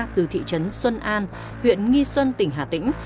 từ thị trấn xuân an huyện nghi xuân tỉnh hà tĩnh